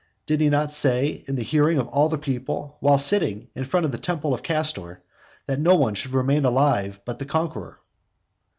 Did he not say, in the hearing of all the people, while sitting in front of the temple of Castor, that no one should remain alive but the conqueror?